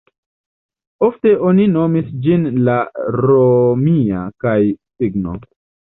Ofte oni nomis ĝin la "romia" kaj-signo.